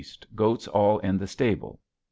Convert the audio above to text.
goats all in the stabel.